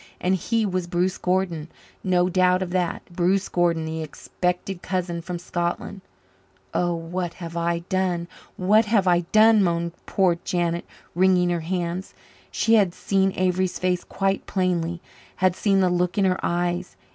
And he was Bruce Gordon no doubt of that. Bruce Gordon, the expected cousin from Scotland! "Oh, what have I done? What have I done?" moaned poor Janet, wringing her hands. She had seen Avery's face quite plainly had seen the look in her eyes.